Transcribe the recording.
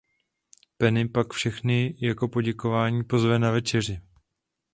Penny pak všechny jako poděkování pozve na večeři.